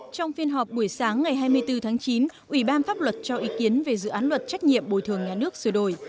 trong phiên họp buổi sáng ngày hai mươi bốn tháng chín ủy ban pháp luật cho ý kiến về dự án luật trách nhiệm bồi thường nhà nước sửa đổi